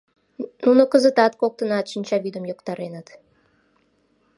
Нуно кызытат коктынат шинчавӱдым йоктареныт.